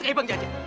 kayak bang jajang